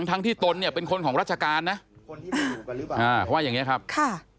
ทั้งที่ตนเนี่ยเป็นคนของราชการนะอ่าเขาว่าอย่างเงี้ครับค่ะ